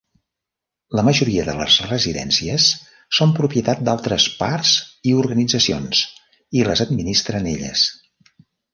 La majoria de les residències són propietat d'altres parts i organitzacions, i les administren elles.